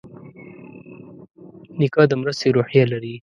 نیکه د مرستې روحیه لري.